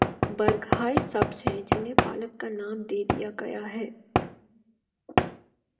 برگ ہائے سبز ہیں جنہیں پالک کا نام دے دیا گیا ہے۔